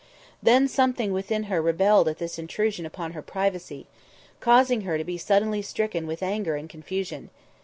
Then something within her rebelled at this intrusion upon her privacy, causing her to be suddenly stricken with anger and confusion.